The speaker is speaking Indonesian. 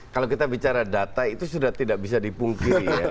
kalau kita bicara data itu sudah tidak bisa dipungkiri ya